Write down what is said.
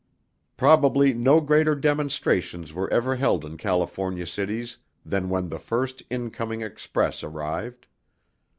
Probably no greater demonstrations were ever held in California cities than when the first incoming express arrived.